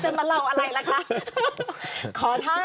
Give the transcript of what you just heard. มาเล่าอะไรล่ะคะ